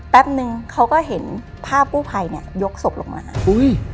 แป๊บนึงเขาก็เห็นภาพกู้ภัยเนี่ยยกศพลงมาอุ้ย